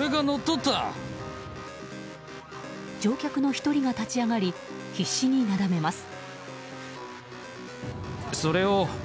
乗客の１人が立ち上がり必死になだめます。